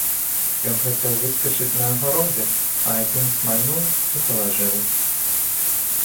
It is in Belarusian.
Ён хацеў выскачыць на агароды, а адзін смальнуў і палажыў.